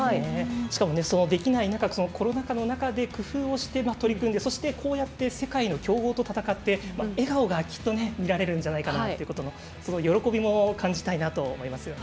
しかもできない中コロナ禍の中で工夫をして取り組んでそして、こうやって世界の強豪と戦って笑顔がきっと見られるんじゃないかということすごい喜びも感じたいなと思いますよね。